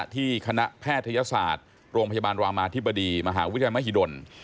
คณะแพทยศาสตร์โรงพยาบาลรามาธิบดีมหาวิทยาลัยมหิดล